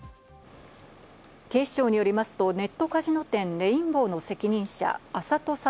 警視庁によりますとネットカジノ店「レインボー」の責任者・安里悟